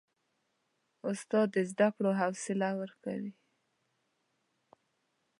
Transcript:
استاد د زده کړو حوصله ورکوي.